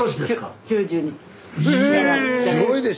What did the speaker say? すごいでしょ⁉